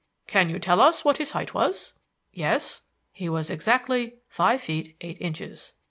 "Can you tell us what his height was?" "Yes. He was exactly five feet eight inches."